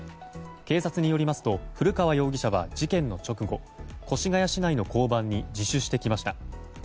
警察によりますと古川容疑者は事件の直後越谷市内の交番に自首してきました。